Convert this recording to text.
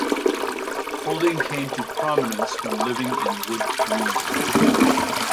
Holding came to prominence when living in Wood Green.